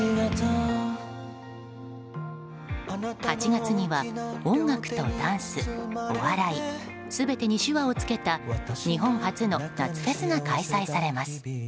８月には音楽とダンス、お笑い全てに手話をつけた日本初の夏フェスが開催されます。